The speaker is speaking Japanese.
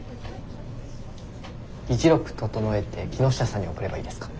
議事録整えて木下さんに送ればいいですか？